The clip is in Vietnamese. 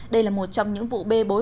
đây là một trong những vụ bê bối